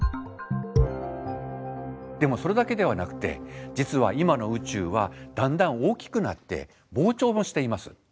でもそれだけではなくて実は今の宇宙はだんだん大きくなって膨張もしています。